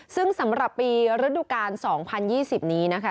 ซึ่งสำหรับปีฤดูกาล๒๐๒๐นี้นะคะ